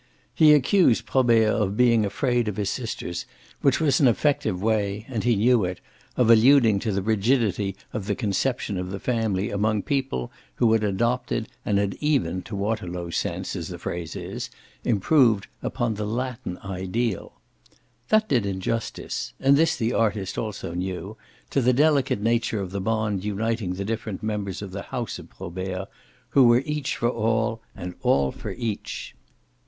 He accused Probert of being afraid of his sisters, which was an effective way and he knew it of alluding to the rigidity of the conception of the family among people who had adopted and had even to Waterlow's sense, as the phrase is, improved upon the "Latin" ideal. That did injustice and this the artist also knew to the delicate nature of the bond uniting the different members of the house of Probert, who were each for all and all for each.